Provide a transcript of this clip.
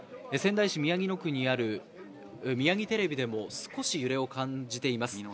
仙台市宮城野区にあるミヤギテレビでも少し揺れを感じています。